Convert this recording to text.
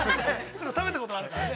◆食べたことはあるからね。